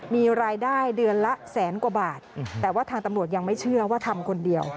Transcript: มีรายได้เดือนละแสนกว่าบาทแต่ว่าทางตำรวจยังไม่เชื่อว่าทำคนเดียว